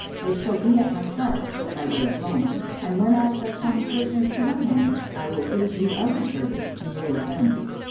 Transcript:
They shall be at my charge, by way of loan, and whenas there come prisoners to my hands, I will give thee other thirty in lieu of them."